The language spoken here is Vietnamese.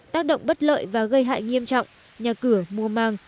tác động bất lợi và gây hại nghiêm trọng nhà cửa mua mang